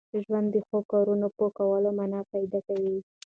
ژوند د ښو کارونو په کولو مانا پیدا کوي.